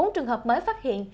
bốn trường hợp mới phát hiện